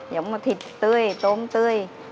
giống như thịt tươi tôm tươi